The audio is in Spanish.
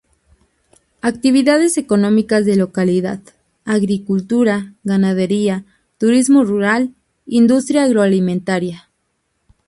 Actividades económicas de localidad: agricultura, ganadería, turismo rural, industria agroalimentaria.